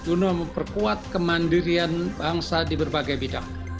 untuk memperkuat kemandirian bangsa di berbagai bidang